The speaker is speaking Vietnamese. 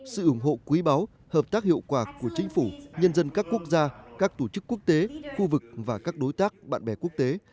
sự ủng hộ quý báu hợp tác hiệu quả của chính phủ nhân dân các quốc gia các tổ chức quốc tế khu vực và các đối tác bạn bè quốc tế